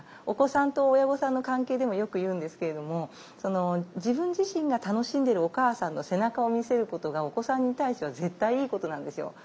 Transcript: お子さんと親御さんの関係でもよく言うんですけれども自分自身が楽しんでるお母さんの背中を見せることがお子さんに対しては絶対いいことなんですよ。